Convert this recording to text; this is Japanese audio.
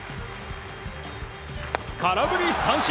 空振り三振！